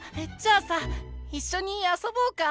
あさいっしょにあそぼうか？